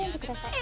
え！